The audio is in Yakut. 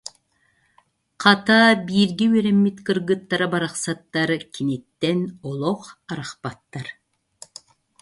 Хата, бииргэ үөрэммит кыргыттара барахсаттар киниттэн олох арахпаттар